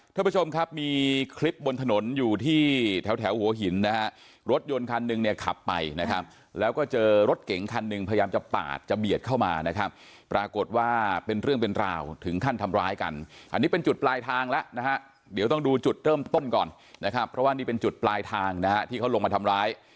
ท่านผู้ชมครับมีคลิปบนถนนอยู่ที่แถวแถวหัวหินนะฮะรถยนต์คันหนึ่งเนี่ยขับไปนะครับแล้วก็เจอรถเก๋งคันหนึ่งพยายามจะปาดจะเบียดเข้ามานะครับปรากฏว่าเป็นเรื่องเป็นราวถึงขั้นทำร้ายกันอันนี้เป็นจุดปลายทางแล้วนะฮะเดี๋ยวต้องดูจุดเริ่มต้นก่อนนะครับเพราะว่านี่เป็นจุดปลายทางนะฮะที่เขาลงมาทำร้าย